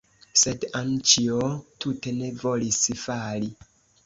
Sed Anĉjo tute ne volis fali.